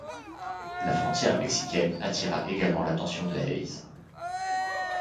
La frontière mexicaine attira également l'attention de Hayes.